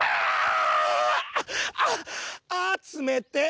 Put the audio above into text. あつめてえ」。